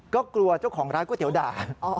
ก็กลัวเจ้าของร้านก๋วยเตี๋ยด่า